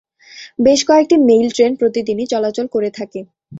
বেশ কয়েকটি mail train প্রতিদিনই চলাচল করে থাকে।